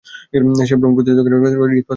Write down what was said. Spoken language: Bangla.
যে ভ্রমে পতিত হয়, ঋতপথ তাহারই প্রাপ্য।